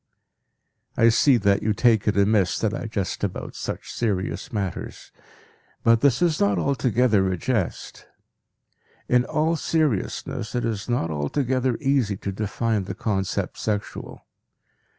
I see that you take it amiss that I jest about such serious matters. But this is not altogether a jest. In all seriousness, it is not altogether easy to define the concept "sexual."